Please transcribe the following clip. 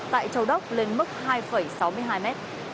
tại châu đốc lên mức hai sáu mươi hai mét